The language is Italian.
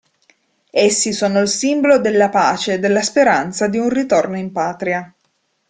Essi sono il simbolo della pace e della speranza di un ritorno in patria.